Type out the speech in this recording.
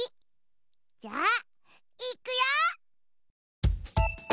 じゃあいくよ！